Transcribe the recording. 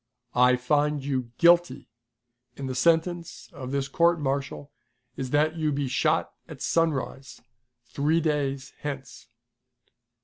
"I find you guilty, and the sentence of this court martial is that you be shot at sunrise, three days hence!"